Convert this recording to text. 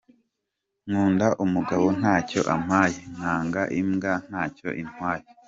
Nkunda umugabo ntacyo ampaye nkanga imbwa ntacyo intwaye.